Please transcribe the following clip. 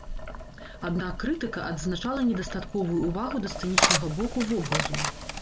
Аднак крытыка адзначала недастатковую ўвагу да сцэнічнага боку вобразу.